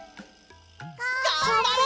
がんばれ！